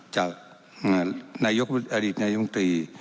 จากนายกวิทยาลัยอดิษฐ์นายกวิทยาลัยมันตรี